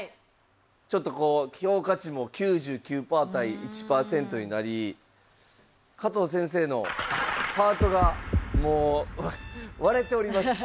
ちょっとこう評価値も９９％対１％になり加藤先生のハートがもう割れております。